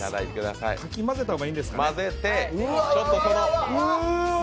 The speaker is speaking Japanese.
かき混ぜた方がいいんですかね。